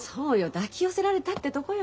抱き寄せられたってとこよ。